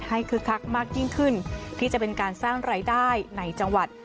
คึกคักมากยิ่งขึ้นที่จะเป็นการสร้างรายได้ในจังหวัด